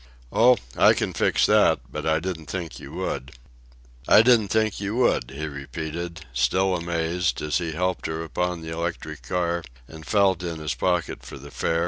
"Oh, I can fix that; but I didn't think you would." "I didn't think you would," he repeated, still amazed, as he helped her upon the electric car and felt in his pocket for the fare.